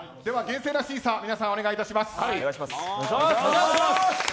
厳正な審査皆さんお願いいたします。